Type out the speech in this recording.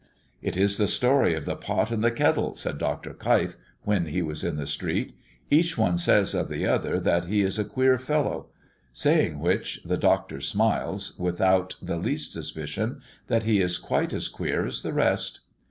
"It is the story of the pot and the kettle," said Dr. Keif, when he was in the street. "Each one says of the other that he is a queer fellow." Saying which, the Doctor smiles, without the least suspicion that he is quite as queer as the rest.